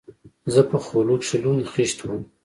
زه په خولو کښې لوند خيشت وم.